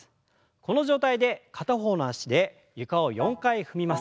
この状態で片方の脚で床を４回踏みます。